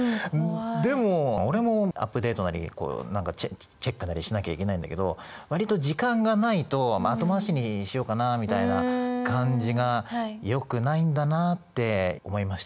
でも俺もアップデートなり何かチェックなりしなきゃいけないんだけど割と時間がないと後回しにしようかなみたいな感じがよくないんだなって思いました。